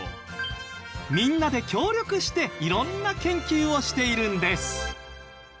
みんなで協力して色んな研究をしているんです。